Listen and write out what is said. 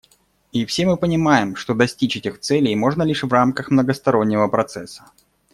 И все мы понимаем, что достичь этих целей можно лишь в рамках многостороннего процесса.